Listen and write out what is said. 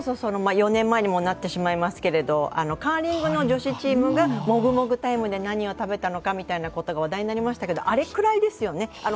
４年前にもなってしまいますがカーリングの女子チームがもぐもぐタイムで何を食べたのかみたいなことが話題になりましたけどあれくらいですよね。